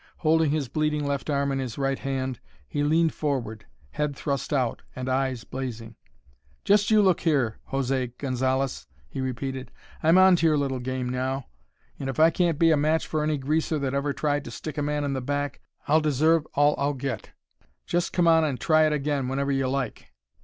Holding his bleeding left arm in his right hand he leaned forward, head thrust out and eyes blazing. "Just you look here, José Gonzalez!" he repeated. "I'm onto your little game now, and if I can't be a match for any greaser that ever tried to stick a man in the back, I'll deserve all I'll get! Just come on and try it again whenever you like!